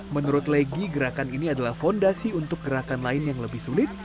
menurut legi gerakan ini adalah fondasi untuk gerakan lain yang lebih sulit